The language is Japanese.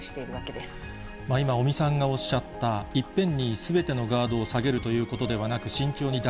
今、尾身さんがおっしゃった、いっぺんにすべてのガードを下げるということではなく、慎重に段